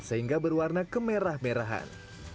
sehingga berwarna kemerah merahan